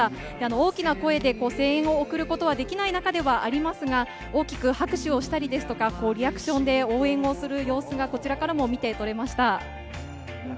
大きな声で声援を送ることはできない中ではありますが、大きく拍手をしたり、リアクションで応援する様子が見てとれました。